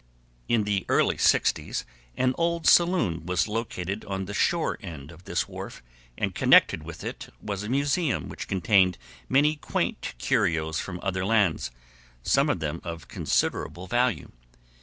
In the early sixties an old saloon was located on the shore end of this wharf, and connected with it was a museum which contained many quaint curios from other lands, some of them of considerable value.